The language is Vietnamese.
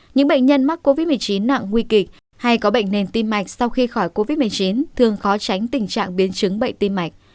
những bệnh nhân mắc covid một mươi chín nặng nguy kịch hay có bệnh nền tim mạch sau khi khỏi covid một mươi chín thường khó tránh tình trạng biến chứng bệnh tim mạch